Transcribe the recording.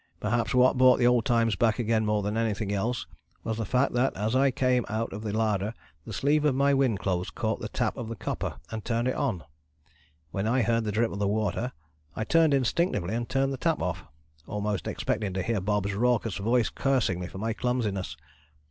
Perhaps what brought the old times back again more than anything else was the fact that as I came out of the larder the sleeve of my wind clothes caught the tap of the copper and turned it on. When I heard the drip of the water I turned instinctively and turned the tap off, almost expecting to hear Bobs' raucous voice cursing me for my clumsiness.